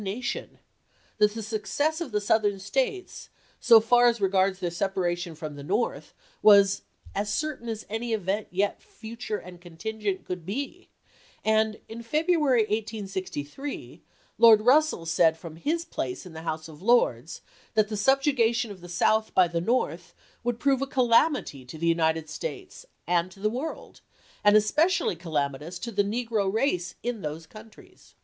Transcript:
nation "; that the success of the Southern States, so far as regards their separation from the North, was " as certain as any event yet future and contingent could be"; and in February, 1863, Lord Russell said from his place in the House of Lords that the subjugation of the South by the North would prove a calamity to the United States and to the world, and especially calamitous to the negro race in those 1863. countries.